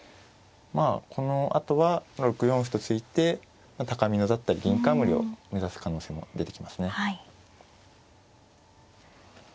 まあこのあとは６四歩と突いて高美濃だったり銀冠を目指す可能性も出てきますね。